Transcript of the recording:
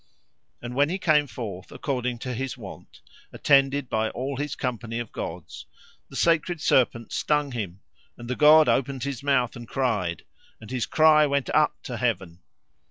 And when he came forth according to his wont, attended by all his company of gods, the sacred serpent stung him, and the god opened his mouth and cried, and his cry went up to heaven.